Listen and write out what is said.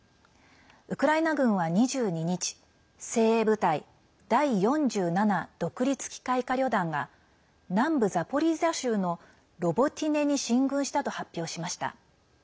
ウクライナ軍は２２日、精鋭部隊第４７独立機械化旅団が南部ザポリージャ州のロボティネに進軍したと発表しました。